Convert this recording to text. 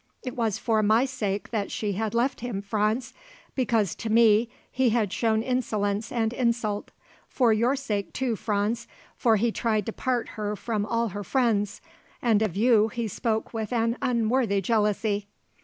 It was for my sake that she had left him, Franz, because to me he had shown insolence and insult; for your sake, too, Franz, for he tried to part her from all her friends and of you he spoke with an unworthy jealousy.